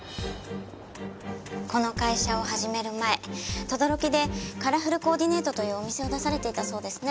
この会社を始める前等々力でカラフルコーディネートというお店を出されていたそうですね。